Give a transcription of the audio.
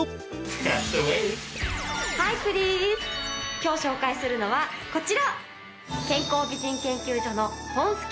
今日紹介するのはこちら！